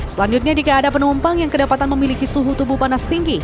selanjutnya jika ada penumpang yang kedapatan memiliki suhu tubuh panas tinggi